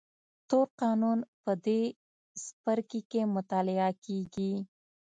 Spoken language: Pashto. تور قانون په دې څپرکي کې مطالعه کېږي.